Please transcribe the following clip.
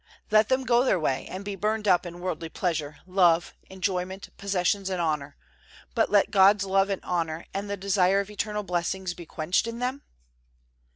let them go their way, and be burned up in worldly pleasure, love, enjoyment, possessions and honor, but let God's love and honor and the desire of eternal blessings be quenched in them?